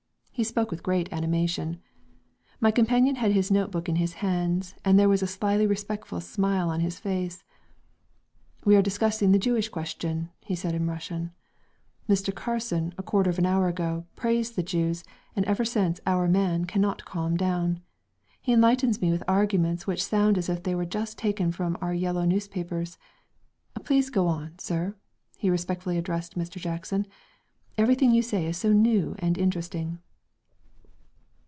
He spoke with great animation. My companion had his note book in his hands and there was a slyly respectful smile on his face. "We are discussing the Jewish question," he said in Russian. "Mr. Carson, a quarter of an hour ago, praised the Jews, and ever since 'our man' cannot calm down. He enlightens me with arguments which sound as if they were just taken from our yellow newspapers. Please, go on, sir," he respectfully addressed Mr. Jackson. "Everything you say is so new and interesting...."